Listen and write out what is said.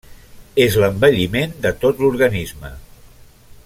És l’envelliment de tot l’organisme.